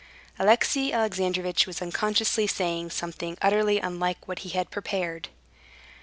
Alexey Alexandrovitch was unconsciously saying something utterly unlike what he had prepared.